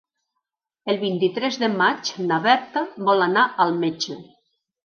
El vint-i-tres de maig na Berta vol anar al metge.